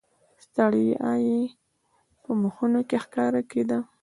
ستړیا یې په مخونو کې ښکاره کېده.